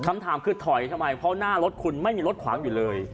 คำถามคือถอยทำไมเพราะหน้ารถคุณไม่มีรถขวางอยู่เลย